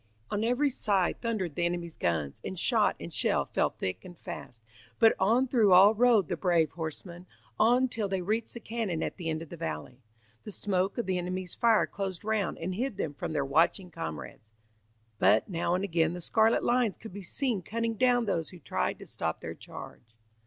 On every side thundered the enemy's guns, and shot and shell fell thick and fast, but on through all rode the brave horsemen, on till they reached the cannon at the end of the valley. The smoke of the enemy's fire closed round and hid them from their watching comrades, but now and again the scarlet lines could be seen cutting down those who tried to stop their charge.